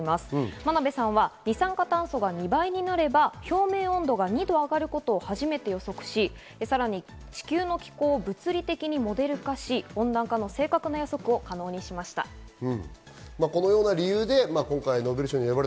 真鍋さんは二酸化炭素が２倍になれば表面温度が２度上がることを初めて予測し、さらに地球の気候を物理的にモデル化し、温暖化の正確な予測を可能にしました。